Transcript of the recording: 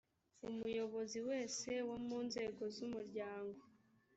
umuyobozi wese wo munzego z umuryango